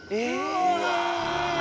うわ！